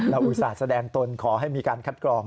อุตส่าห์แสดงตนขอให้มีการคัดกรอง